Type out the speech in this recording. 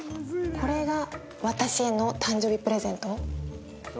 これが私への誕生日プレゼント？